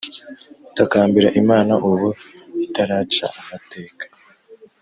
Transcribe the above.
Takambira imana ubu itaraca amateka